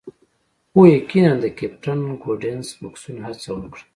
هو یقیناً د کیپټن ګوډنس بکسونه هڅه وکړه